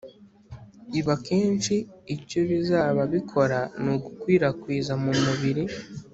ibi akenshi icyo bizaba bikora ni ugukwirakwiza mu mubiri